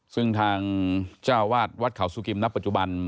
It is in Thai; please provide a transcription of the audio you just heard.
ซึ่งทางเจ้าวาดวัดเขาสุกิมณปัจจุบัน